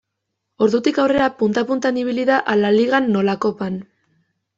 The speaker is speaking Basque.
Ordutik aurrera punta puntan ibili da hala Ligan nola Kopan.